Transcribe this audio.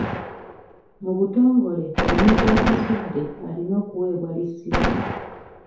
Mu butongole omuntu asasudde alina okuweebwa lisiiti.